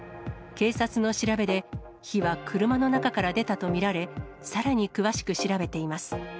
警察の調べで、火は車の中から出たと見られ、さらに詳しく調べています。